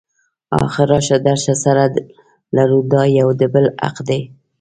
اخر راشه درشه سره لرو دا یو د بل حق دی.